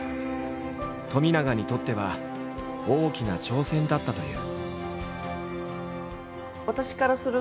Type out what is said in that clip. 冨永にとっては大きな挑戦だったという。